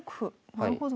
なるほど。